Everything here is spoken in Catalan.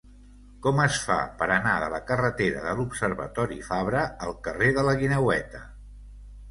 Com es fa per anar de la carretera de l'Observatori Fabra al carrer de la Guineueta?